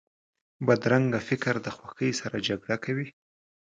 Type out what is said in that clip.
بدرنګه فکر د خوښۍ سره جګړه کوي